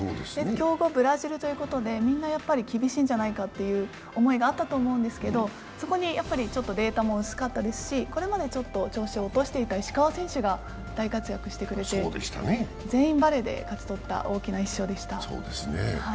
強豪・ブラジルということでみんな厳しいんじゃないかという思いがあったと思うんですけど、そこに、データも薄かったですし、これまで調子を落としていた石川選手が大活躍してくれて全員バレーで勝ち取った大きな１勝でした。